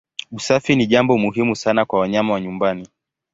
Usafi ni jambo muhimu sana kwa wanyama wa nyumbani.